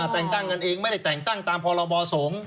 แต่งตั้งกันเองไม่ได้แต่งตั้งตามพรบสงฆ์